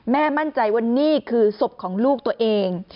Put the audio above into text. มั่นใจว่านี่คือศพของลูกตัวเอง